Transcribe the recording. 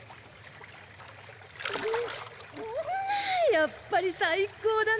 やっぱり最高だな！